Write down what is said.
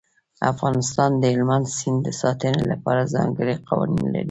افغانستان د هلمند سیند د ساتنې لپاره ځانګړي قوانین لري.